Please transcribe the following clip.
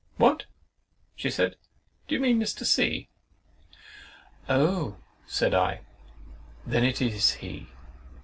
—"What," she said, "do you mean Mr. C——?" "Oh," said I, "Then it is he!